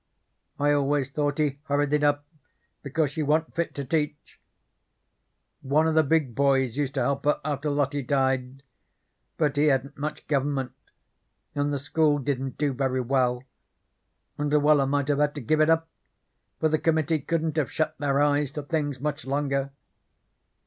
I always thought he hurried it up because she wa'n't fit to teach. One of the big boys used to help her after Lottie died, but he hadn't much government, and the school didn't do very well, and Luella might have had to give it up, for the committee couldn't have shut their eyes to things much longer.